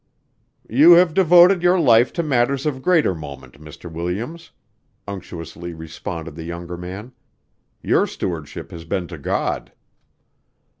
"You have devoted your life to matters of greater moment, Mr. Williams," unctuously responded the younger man. "Your stewardship has been to God."